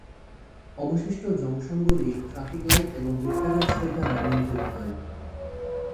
অবশিষ্ট জংশনগুলি traffic light এবং বৃত্তাকার ছেদ দ্বারা নিয়ন্ত্রিত হয়।